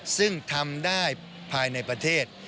ซึ่งทำได้ภายในประเทศ